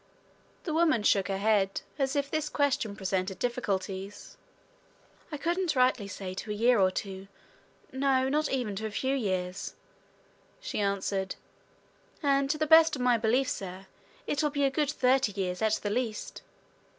The woman shook her head as if this question presented difficulties. "I couldn't rightly say to a year or two, no, not even to a few years," she answered. "And to the best of my belief, sir, it'll be a good thirty years, at the least.